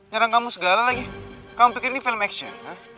nyerang kamu segala lagi kamu pikir ini film action